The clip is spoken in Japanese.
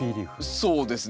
そうですね。